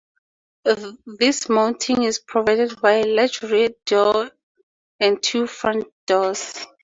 Dismounting is provided via a large rear door and two front doors.